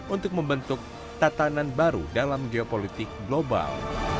untuk membentuk tatanan baru dalam geopolitik global